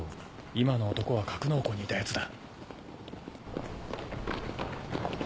今の男は格納庫にいたヤツだ。